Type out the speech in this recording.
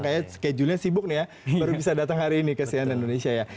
kayak julian sibuk nih ya baru bisa datang hari ini ke sian dan indonesia ya